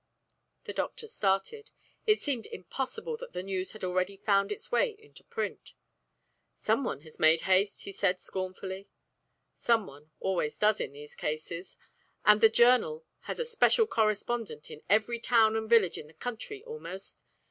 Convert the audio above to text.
The doctor started. It seemed impossible that the news had already found its way into print. "Some one has made haste," he said, scornfully. "Some one always does in these cases, and the Journal has a 'special correspondent' in every town and village in the country almost.